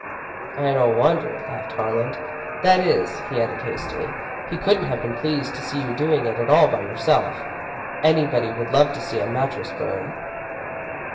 "I don't wonder," laughed Harlan. "That is," he added hastily, "he couldn't have been pleased to see you doing it all by yourself. Anybody would love to see a mattress burn."